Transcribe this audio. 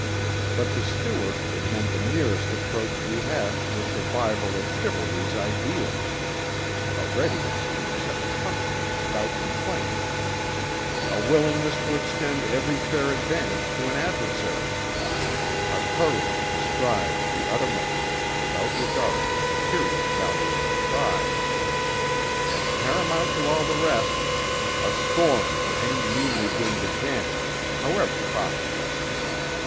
But to Stuart it meant the nearest approach we have to a survival of chivalry's ideals: a readiness to accept punishment without complaint: a willingness to extend every fair advantage to an adversary: a courage to strive to the uttermost without regard to the material value of the prize and paramount to all the rest, a scorn for any meanly gained advantage, however profitable.